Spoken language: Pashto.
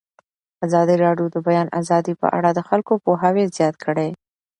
ازادي راډیو د د بیان آزادي په اړه د خلکو پوهاوی زیات کړی.